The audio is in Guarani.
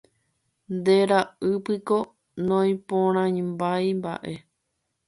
Nde ra'ýpiko noĩporãmbáimba'e